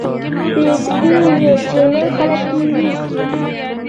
پرې يې ږدو چې نور خلک يې ويسي.